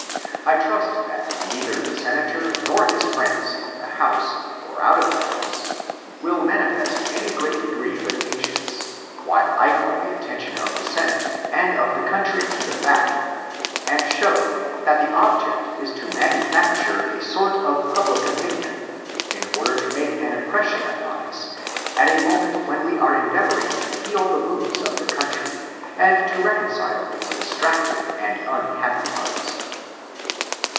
I trust that neither the Senator nor his friends, in the house or out of the house, will manifest any great degree of im patience while I call the attention of the Senate and of the ' country to the fact, and show that the object is to manufacture a sort of public opinion in order to make an impression upon us at a moment when we are endeavor ing to heal the wounds of the country and to reconcile its dittraoted and unhappy parts.